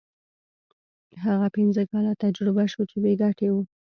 هغه پنځه کاله تجربه شو چې بې ګټې وو.